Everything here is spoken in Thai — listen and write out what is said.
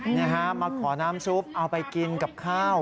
นี่ฮะมาขอน้ำซุปเอาไปกินกับข้าว